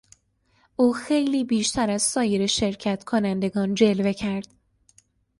او خیلی بیشتر از سایر شرکت کنندگان جلوه کرد.